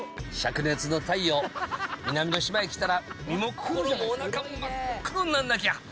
灼熱の太陽南の島へ来たら身も心もお腹も真っ黒になんなきゃ！